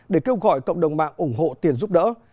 để kêu gọi cộng đồng mạng ủng hộ tiền giúp đỡ